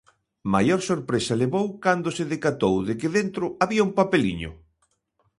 Maior sorpresa levou cando se decatou de que dentro había un papeliño.